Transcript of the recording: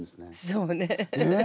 そうね。